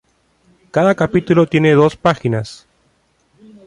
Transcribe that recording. Cada capítulo tiene dos páginas.